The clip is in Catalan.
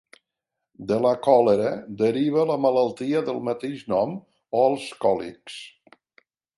De la còlera deriva la malaltia del mateix nom o els còlics.